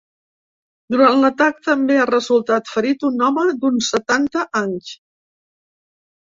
Durant l’atac també ha resultat ferit un home d’uns setanta anys.